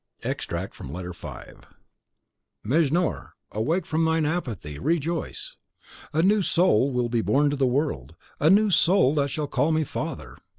Extract from Letter V. (Many months after the last.) Mejnour, awake from thine apathy, rejoice! A new soul will be born to the world, a new soul that shall call me father.